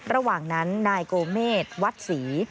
ระหว่างนั้นนายโกเมษวัดศรี